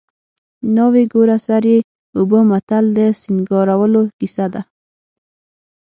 ناوې ګوره سر یې اوبه متل د سینګارولو کیسه ده